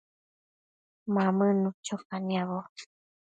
Mamënnu cho caniabo